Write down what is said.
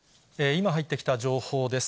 今入ってきた情報です。